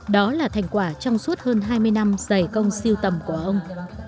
đó là thành quả trong suốt hơn hai mươi năm dày công siêu tầm của ông